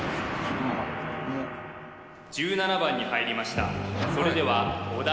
１７番に入りましたそれではお題